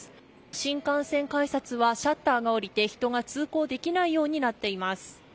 新幹線改札はシャッターが下りて人が通行できないようになっています。